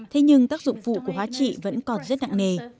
thế nhưng tác dụng phụ của hóa trị vẫn còn rất nặng nề